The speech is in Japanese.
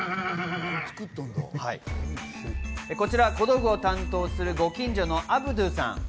こちら小道具を担当するご近所のアブドゥさん。